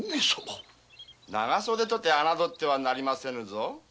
「長袖」とあなどってはなりませぬぞ。